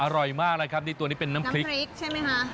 อร่อยมากเลยครับนี่ตัวนี้เป็นน้ำพริกพริกใช่ไหมคะ